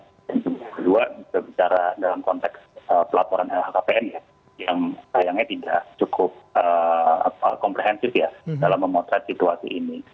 yang kedua juga bicara dalam konteks pelaporan lhkpn ya yang sayangnya tidak cukup komprehensif ya dalam memotret situasi ini